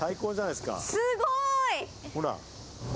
すごーい！